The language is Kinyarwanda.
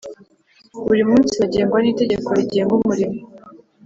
buri munsi bagengwa n Itegeko rigenga umurimo